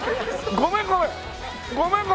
ごめんごめん！